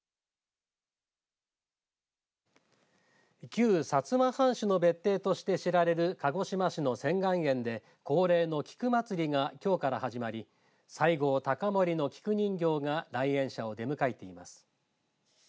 旧薩摩藩主の別邸として知られる鹿児島市の仙巌園で恒例の菊まつりがきょうから始まり西郷隆盛の菊人形が来園者を出迎えています。